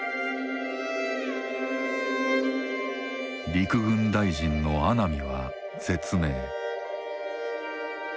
陸軍大臣の阿南は絶命。